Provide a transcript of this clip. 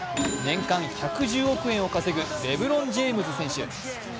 年間１１０億円を稼ぐレブロン・ジェームズ選手。